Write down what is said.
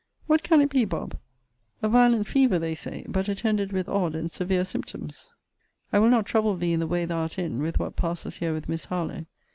What can it be, Bob.? A violent fever, they say; but attended with odd and severe symptoms. I will not trouble thee in the way thou art in, with what passes here with Miss Harlowe.